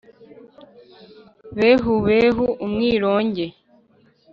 Behu behu !!!-Umwironge.